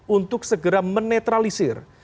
untuk segera menetralisir